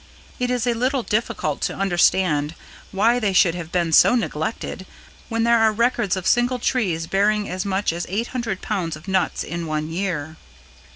It is a little difficult to understand why they should have been so neglected when there are records of single trees bearing as much as 800 pounds of nuts in one year.